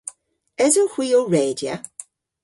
Esowgh hwi ow redya?